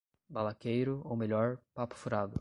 Balaqueiro, ou melhor, papo-furado